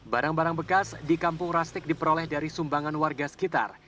barang barang bekas di kampung krastik diperoleh dari sumbangan warga sekitar